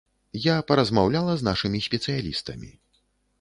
Я паразмаўляла з нашымі спецыялістамі.